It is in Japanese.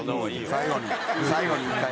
最後に最後に１回。